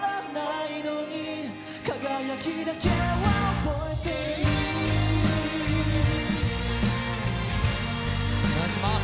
お願いします。